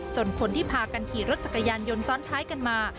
คนที่พากันขี่รถจักรยานยนต์ซ้อนท้ายกันมา